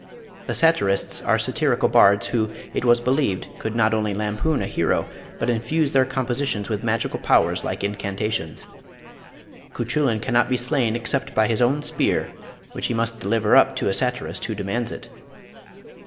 The satirists are satirical bards who, it was believed, could not only lampoon a hero, but infuse their compositions with magical powers like incantations. Cuchullin cannot be slain except by his own spear, which he must deliver up to a satirist who demands it.